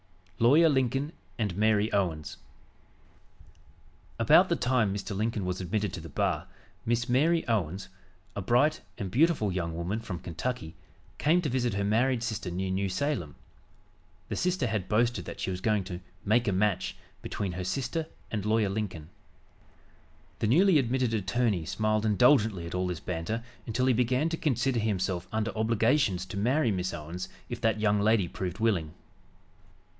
LAWYER LINCOLN AND MARY OWENS About the time Mr. Lincoln was admitted to the bar, Miss Mary Owens, a bright and beautiful young woman from Kentucky, came to visit her married sister near New Salem. The sister had boasted that she was going to "make a match" between her sister and Lawyer Lincoln. The newly admitted attorney smiled indulgently at all this banter until he began to consider himself under obligations to marry Miss Owens if that young lady proved willing.